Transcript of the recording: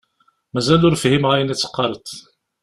Mazal ur fhimeɣ ayen i d-teqqareḍ.